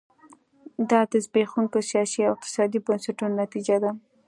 دا د زبېښونکو سیاسي او اقتصادي بنسټونو نتیجه ده.